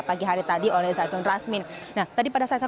pagi hari tadi oleh zaitun rasmin nah tadi pada saat